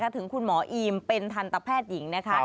ถึงคุณหมออีมเป็นทันตแพทย์หญิงนะคะ